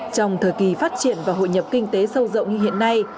trong thời kỳ phát triển và hội nhập kinh tế sâu rộng như hiện nay